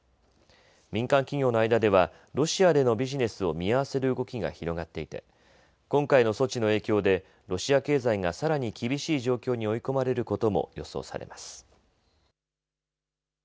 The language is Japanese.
民間企業の間ではロシアでのビジネスを見合わせる動きが広がっていて今回の措置の影響でロシア経済がさらに厳しい状況に追い込まれることも予想されます。